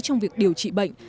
trong việc điều trị bệnh